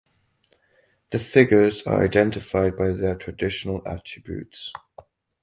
The figures are identified by their traditional attributes.